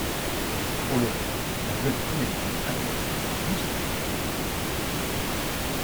Pour le rôle, la jeune comédienne a dû prendre douze kilos.